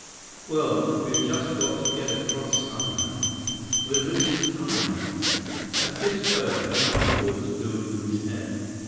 "Well, we've just got to get across somehow. We're losing time." As Biff spoke, another thought was building in his head.